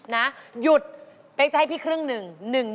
หยุดเป๊กจะให้พี่ครึ่งหนึ่ง